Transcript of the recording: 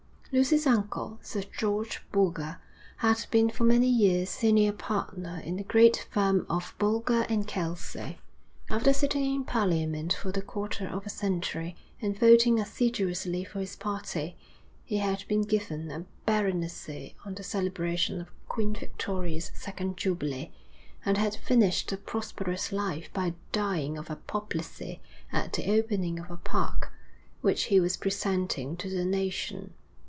Lucy's uncle, Sir George Boulger, had been for many years senior partner in the great firm of Boulger & Kelsey. After sitting in Parliament for the quarter of a century and voting assiduously for his party, he had been given a baronetcy on the celebration of Queen Victoria's second Jubilee, and had finished a prosperous life by dying of apoplexy at the opening of a park, which he was presenting to the nation.